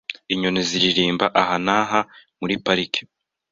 Inyoni ziririmba aha naha muri parike .